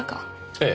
ええ。